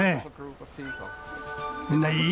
みんないい？